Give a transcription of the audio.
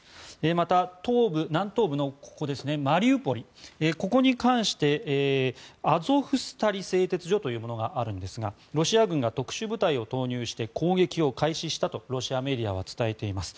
また南東部のマリウポリここに関してアゾフスタリ製鉄所というのがあるんですがロシア軍が特殊部隊を投入して攻撃を開始したとロシアメディアは伝えています。